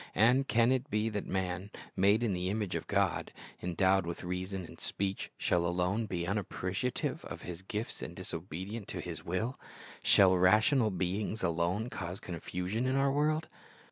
And can it be that man, made in the image of God, endowed with reason and speech, shall alone be unappreciative of His gifts and disobedient to His will? Shall rational beings alone cause confusion in our world?